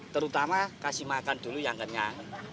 terutama kasih makan dulu yang kenyang